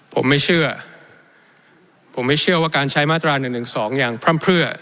ผมไม่เชื่อผมไม่เชื่อว่าการใช้มาตรา๑๑๒อย่างพร่ำเพื่อ